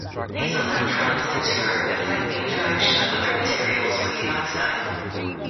These electrons in turn affect the interaction of other materials with the oxide.